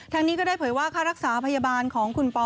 นี้ก็ได้เผยว่าค่ารักษาพยาบาลของคุณปอ